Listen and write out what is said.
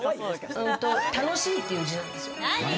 「楽しい」という字なんですよ。